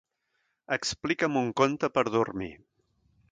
Explica'm un conte per dormir.